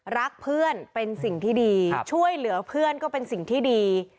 รักเพื่อนเป็นสิ่งที่ดีช่วยเหลือเพื่อนก็เป็นสิ่งที่ดี